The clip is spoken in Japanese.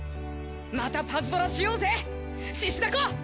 またパズドラしようぜ獅子だこ！